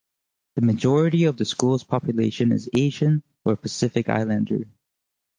The majority of the school's population is Asian or Pacific Islander.